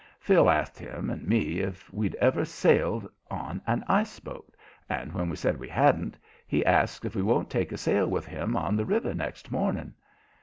Phil asked him and me if we'd ever sailed on an ice boat, and, when we said we hadn't he asks if we won't take a sail with him on the river next morning.